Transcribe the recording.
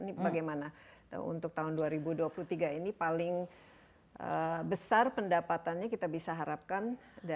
ini bagaimana untuk tahun dua ribu dua puluh tiga ini paling besar pendapatannya kita bisa harapkan dari mana dan khususnya dengan pajak